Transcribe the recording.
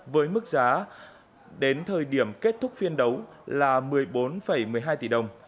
với mức giá đến thời điểm kết thúc phiên đấu là một mươi bốn một mươi hai tỷ đồng